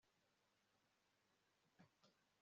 ngenzi ni umujyanama wa mukarugambwa nabi